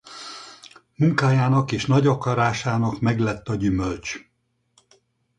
Munkájának és nagy akarásának meglett a gyümölcs.